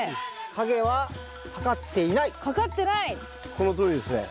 このとおりにですね